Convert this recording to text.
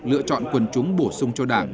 lựa chọn quân chúng bổ sung cho đảng